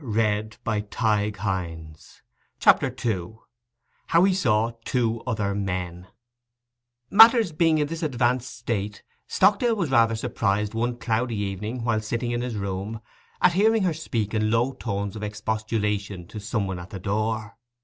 CHAPTER II—HOW HE SAW TWO OTHER MEN Matters being in this advancing state, Stockdale was rather surprised one cloudy evening, while sitting in his room, at hearing her speak in low tones of expostulation to some one at the door.